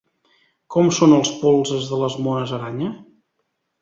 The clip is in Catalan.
Com són els polzes de les mones aranya?